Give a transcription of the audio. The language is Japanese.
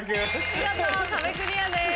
見事壁クリアです。